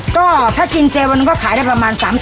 ก็ถ้ากินเจวันก็ขายได้ประมาณ๓๐